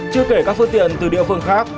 chưa kể các phương tiện từ địa phương khác